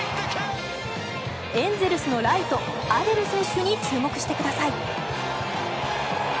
エンゼルスのライトアデル選手に注目してください。